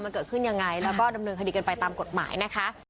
มันเกิดขึ้นยังไงแล้วก็ดำเนินคดีกันไปตามกฎหมายนะคะ